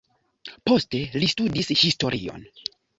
Poste li studis historion.